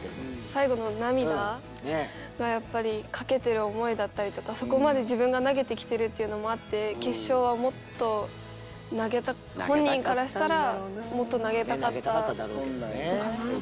最後の涙がやっぱり懸けてる思いだったりとかそこまで自分が投げてきてるっていうのもあって決勝はもっと本人からしたらもっと投げたかったのかな。